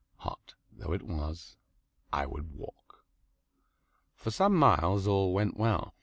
Hot though it was, I would walk. For some miles all went well.